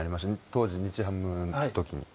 当時日ハムのときに。